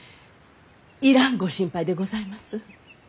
いらんご心配でございます。